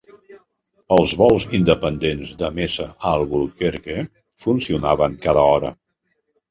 Els vols independents de Mesa a Albuquerque funcionaven cada hora.